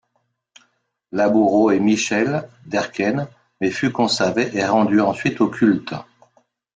Laboureau et Michel Derquenne mais fut conservée et rendue ensuite au culte.